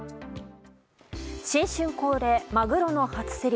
新春恒例、マグロの初競り。